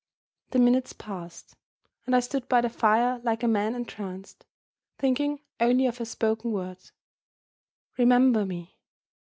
The minutes passed and I stood by the fire like a man entranced; thinking only of her spoken words, "Remember me.